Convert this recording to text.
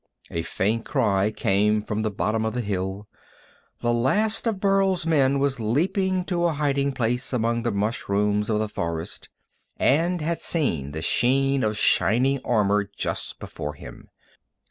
A faint cry came from the bottom of the hill. The last of Burl's men was leaping to a hiding place among the mushrooms of the forest, and had seen the sheen of shining armor just before him.